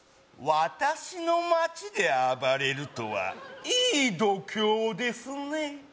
私の町で暴れるとはいい度胸ですね